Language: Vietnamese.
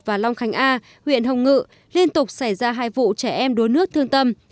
và long khánh a huyện hồng ngự liên tục xảy ra hai vụ trẻ em đuối nước thương tâm